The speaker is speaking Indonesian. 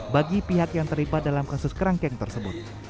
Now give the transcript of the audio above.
bagi pihak yang terlibat dalam kasus kerangkeng tersebut